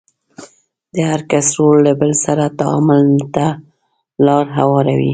د هر کس رول له بل سره تعامل ته لار هواروي.